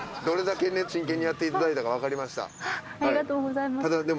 どれだけ真剣にやっていただいたか分かりました。